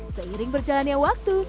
seiring berjalannya waktu